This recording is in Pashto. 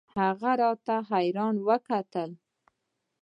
هغه راته حيران وکتل.